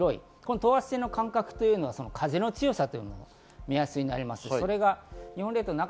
等圧線の間隔というのは風の強さの目安になります。